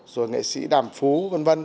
rồi nghệ sĩ đàm phú v v